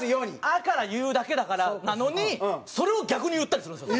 「あ」から言うだけだからなのにそれを逆に言ったりするんですよ。